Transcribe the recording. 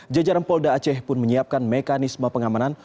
jajaran polda aceh pun menyiapkan mekanisme pengamanan